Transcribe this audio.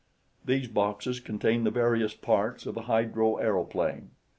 These boxes contain the various parts of a hydro aeroplane.